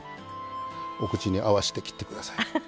お口に合わせて切ってください。